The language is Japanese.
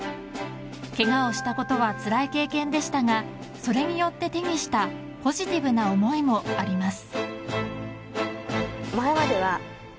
けがをしたことはつらい経験でしたがそれによって手にしたポジティブな思いもあります。